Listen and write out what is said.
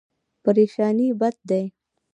پریشاني بد دی.